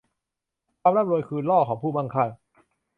ความร่ำรวยคือล่อของผู้มั่งคั่ง